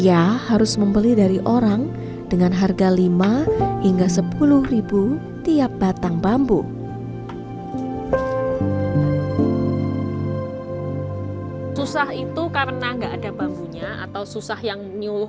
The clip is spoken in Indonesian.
apalagi suriono tak bisa mengambil bambu ini